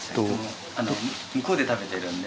向こうで食べてるんで。